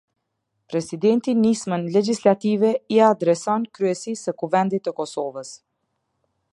Presidenti nismën legjislative ia adreson Kryesisë së Kuvendit të Kosovës.